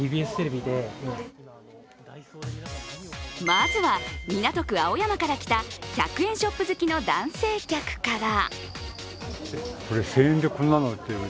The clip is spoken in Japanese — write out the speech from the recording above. まずは港区青山から来た１００円ショップ好きの男性客から。